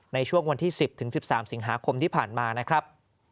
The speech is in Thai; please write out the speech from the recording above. ในช่วงวันที่๑๐๑๓สิงหาคมที่ผ่านมานะครับ